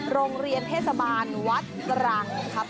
โรงเรียนเทศบาลวัดตรังนะครับ